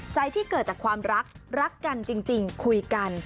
ที่เกิดจากความรักรักกันจริงคุยกัน